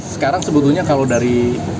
sekarang sebetulnya kalau dari